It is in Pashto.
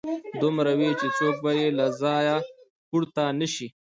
دومره وي چې څوک به يې له ځايه پورته نشي